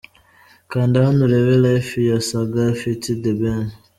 Kanda hano urebe 'Life' ya Saga ft The Ben .